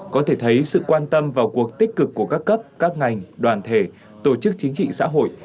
có thể thấy sự quan tâm vào cuộc tích cực của các cấp các ngành đoàn thể tổ chức chính trị xã hội